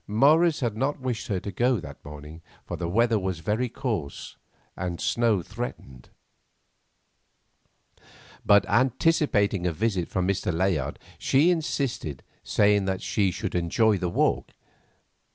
Morris had not wished her to go that morning, for the weather was very coarse, and snow threatened; but, anticipating a visit from Mr. Layard, she insisted, saying that she should enjoy the walk.